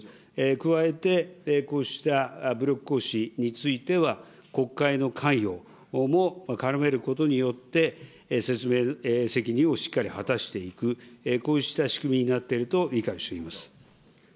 加えて、こうした武力行使については、国会の関与も絡めることによって、説明責任をしっかり果たしていく、こうした仕組みになっていると理解をしております。